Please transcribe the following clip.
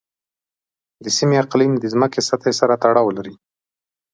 د سیمې اقلیم د ځمکې سطحې سره تړاو لري.